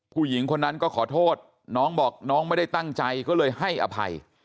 ผู้หญิงคนนั้นก็ขอโทษน้องบอกน้องไม่ได้ตั้งใจก็เลยให้อภัย